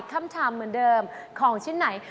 คำถามเหมือนเดิมของชิ้นไหน